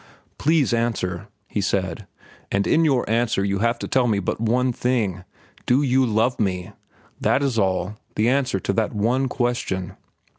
"Please answer," he said, "and in your answer you have to tell me but one thing. Do you love me? That is all—the answer to that one question."